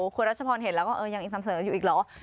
คุณรัชพรเห็นแล้วก็ยังนำเสนออยู่อีกเหรอ